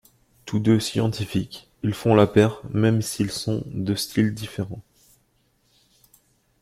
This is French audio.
Tous deux scientifiques, ils font la paire même s'ils sont deux styles différents.